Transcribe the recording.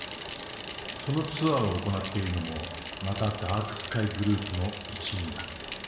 そのツアーを行っているのもまたダークスカイグループの一員だ。